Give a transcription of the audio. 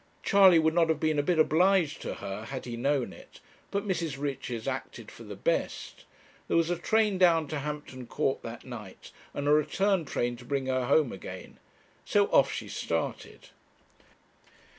Charley would not have been a bit obliged to her had he known it, but Mrs. Richards acted for the best. There was a train down to Hampton Court that night, and a return train to bring her home again so off she started.